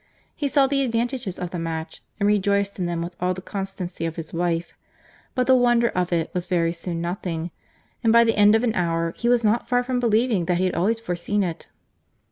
—He saw the advantages of the match, and rejoiced in them with all the constancy of his wife; but the wonder of it was very soon nothing; and by the end of an hour he was not far from believing that he had always foreseen it.